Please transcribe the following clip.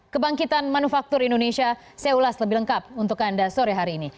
kebangkitan manufaktur indonesia saya ulas lebih lengkap untuk anda sore hari ini